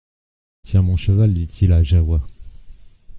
Tiens mon cheval, dit-il à Jahoua.